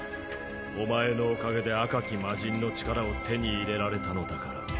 お前のおかげで赤き魔神の力を手に入れられたのだから。